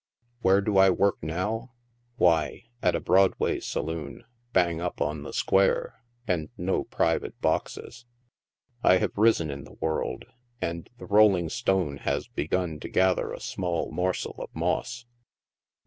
Where do I work now ? why, at a Broadway saloon, bang up on the square, and no private boxes. I have risen in the world, and the rolling stone has begun to gather a small morsel of moss.